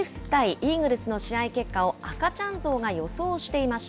イーグルスの試合結果を赤ちゃんゾウが予想していました。